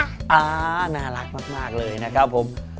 น่ารักมากเลยนะครับผม